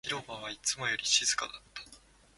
広場はいつもよりも静かだった